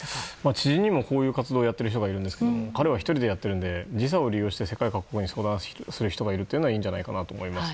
知人にもこういう活動をやっている人がいますが彼は１人でやってるので時差を利用して世界各国に相談する人がいるというのはいいんじゃないかと思います。